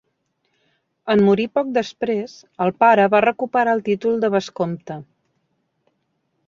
En morir poc després, el pare va recuperar el títol de vescomte.